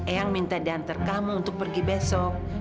eyang minta diantar kamu untuk pergi besok